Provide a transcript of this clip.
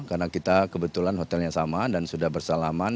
karena kita kebetulan hotelnya sama dan sudah bersalaman